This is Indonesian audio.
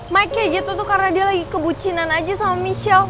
mike kayak gitu tuh karena dia lagi kebucinan aja sama michelle